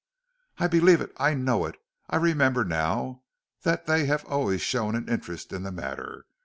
"I believe it; I know it; I remember now that they have always shown an interest in the matter.